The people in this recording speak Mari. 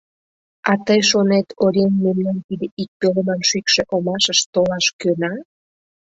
А тый шонет, оръеҥ мемнан тиде ик пӧлеман шӱкшӧ омашыш толаш кӧна?